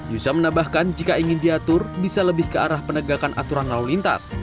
yusa menambahkan jika ingin diatur bisa lebih ke arah penegakan aturan lalu lintas